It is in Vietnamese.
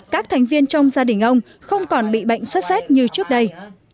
các thành viên trong gia đình ông không còn bị bệnh xuất xét như trước đây